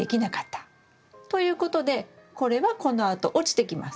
ということでこれはこのあと落ちてきます。